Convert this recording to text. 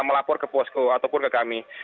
melapor ke posko ataupun ke kami